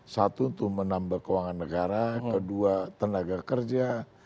satu untuk menambah keuangan negara kedua tenaga kerja